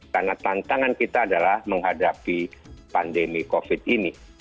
karena tantangan kita adalah menghadapi pandemi covid ini